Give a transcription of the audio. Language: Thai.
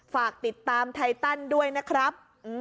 ฝากติดตามไทตันด้วยนะครับ